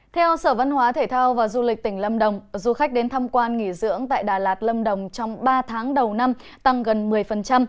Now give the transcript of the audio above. theo sở văn hóa thể thao và du lịch tỉnh lâm đồng du khách đến thăm quan nghỉ dưỡng tại đà lạt lâm đồng trong ba tháng đầu năm tăng gần một mươi